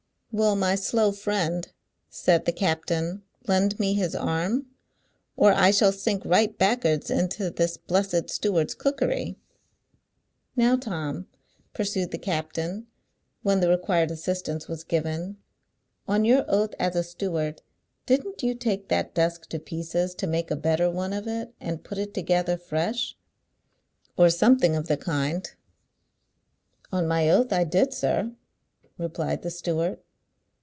"Will my slow friend," said the captain, "lend me his arm, or I shall sink right back'ards into this blessed steward's cookery? Now, Tom," pursued the captain, when the required assistance was given, "on your oath as a steward, didn't you take that desk to pieces to make a better one of it, and put it together fresh, or something of the kind?" "On my oath I did, sir," replied the steward.